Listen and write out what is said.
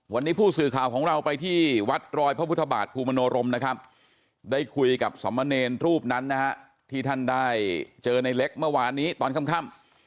วันนี้ผู้สื่อข่าวของเราไปที่วัดรอยพระพุทธบาทภูมิมโนรมนะครับได้คุยกับสมเนรรูปนั้นนะฮะที่ท่านได้เจอในเล็กเมื่อวานนี้ตอนค่ำ